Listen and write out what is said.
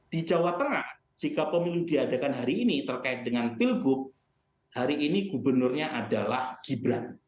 di jawa tengah jika pemilu diadakan hari ini terkait dengan pilgub hari ini gubernurnya adalah gibran